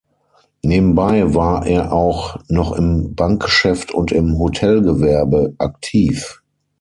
Nebenbei war er auch noch im Bankgeschäft und im Hotelgewerbe aktiv.